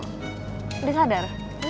lo udah sadar